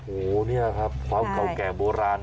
โอ้โหนี่ครับความเก่าแก่โบราณ